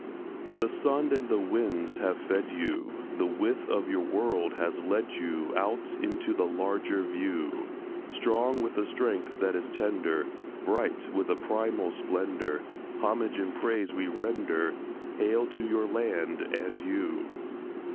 The sun and the winds have fed you; The width of your world has led you Out into the larger view; Strong with a strength that is tender, Bright with a primal splendour, Homage and praise we render— Hail to your land and you!